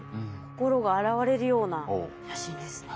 心が洗われるような写真ですね。